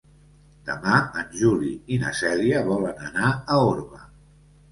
Demà en Juli i na Cèlia volen anar a Orba.